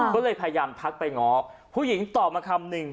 ก็เลยพยายามทักไปง้อผู้หญิงตอบมาคำนึง